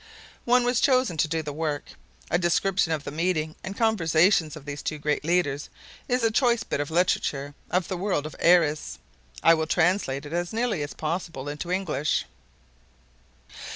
One was chosen to do the work. A description of the meeting and conversation of these two great leaders is a choice bit of literature of the world of Airess. I will translate it as nearly as possible into English.